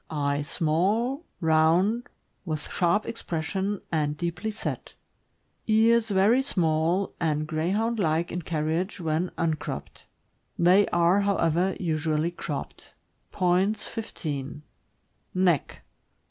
Eyes small, round, with sharp expression and deeply set. Ears very small, and Greyhound like in carriage when un cropped; they are, however, usually cropped. Points, 15. Neck.